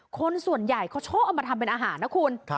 คนส่วนใหญ่เขาชอบเอามาทำเป็นอาหารนะคุณ